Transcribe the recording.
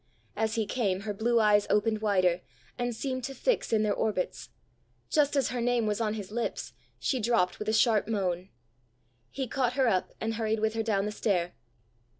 As he came, her blue eyes opened wider, and seemed to fix in their orbits; just as her name was on his lips, she dropped with a sharp moan. He caught her up, and hurried with her down the stair.